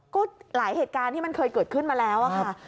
ก็หลายเหตุการณ์ที่มันเคยเกิดขึ้นมาแล้วค่ะ